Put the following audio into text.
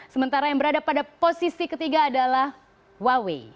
sementara yang berada pada posisi ketiga adalah huawei